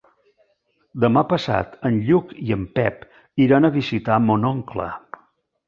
Demà passat en Lluc i en Pep iran a visitar mon oncle.